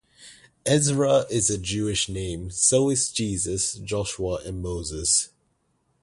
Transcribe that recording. Ezra is a Jewish name. So is Jesus, Joshua and Moses.